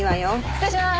失礼しまーす！